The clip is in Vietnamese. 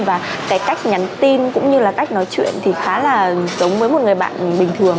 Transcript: và cái cách nhắn tin cũng như là cách nói chuyện thì khá là giống với một người bạn bình thường